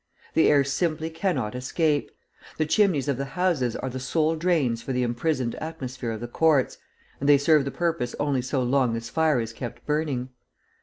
The air simply cannot escape; the chimneys of the houses are the sole drains for the imprisoned atmosphere of the courts, and they serve the purpose only so long as fire is kept burning.